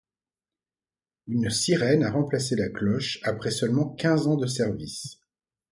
Une sirène a remplacé la cloche après seulement quinze ans de service.